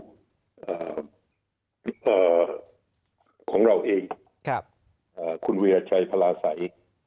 วิทยาลัยของเราเองคุณเวียชัยพลาสัย